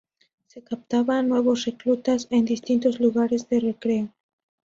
Se captaba a nuevos reclutas en distintos lugares de recreo.